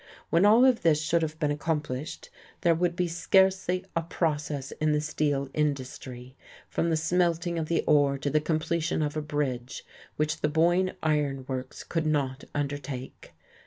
When all of this should have been accomplished, there would be scarcely a process in the steel industry, from the smelting of the ore to the completion of a bridge, which the Boyne Iron Works could not undertake.